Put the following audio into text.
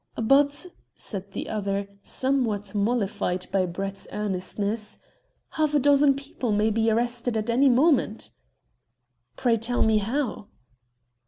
"But," said the other, somewhat mollified by Brett's earnestness, "half a dozen people may be arrested at any moment." "Pray tell me how?"